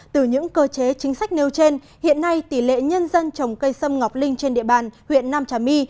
từ những cơ chế chính sách nêu trên hiện nay tỷ lệ nhân dân trồng cây sâm ngọc linh trên địa bàn huyện nam trà my